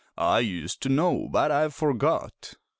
I used to know, but I've forgot."